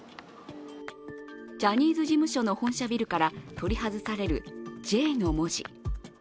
ジャニーズ事務所の本社ビルから取り外される「Ｊ」の文字。